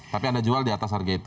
tapi anda jual di atas harga itu